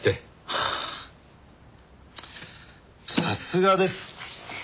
はあさすがです。